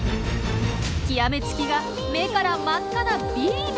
極め付きが目から真っ赤なビーム！